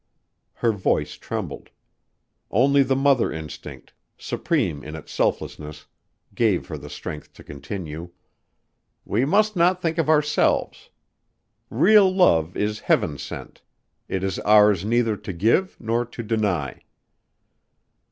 Her voice trembled. Only the mother instinct, supreme in its selflessness, gave her the strength to continue: "We must not think of ourselves. Real love is heaven sent. It is ours neither to give nor to deny."